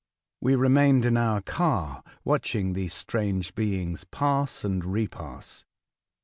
We remained in our car, watching these strange beings pass and re pass.